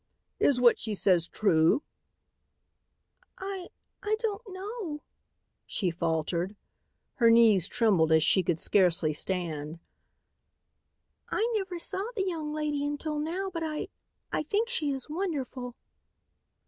"Is what she says true?" "I I don't know," she faltered. Her knees trembled so she could scarcely stand. "I never saw the young lady until now but I I think she is wonderful."